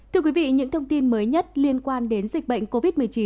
thưa quý vị những thông tin mới nhất liên quan đến dịch bệnh covid một mươi chín